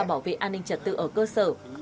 bảo vệ an ninh trật tự ở cơ sở